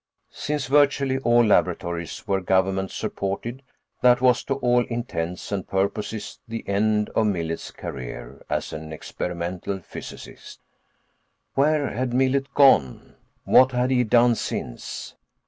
Since virtually all laboratories were government supported, that was to all intents and purposes the end of Millet's career as an experimental physicist. Where had Millet gone? What had he done since?